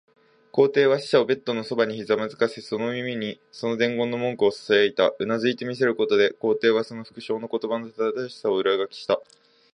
皇帝は使者をベッドのそばにひざまずかせ、その耳にその伝言の文句をささやいた。うなずいて見せることで、皇帝はその復誦の言葉の正しさを裏書きした。